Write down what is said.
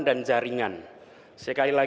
dan ini adalah